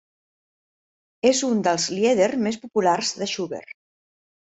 És un dels lieder més populars de Schubert.